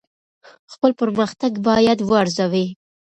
خپل پرمختګ باید وارزوئ.